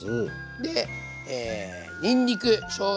でにんにくしょうが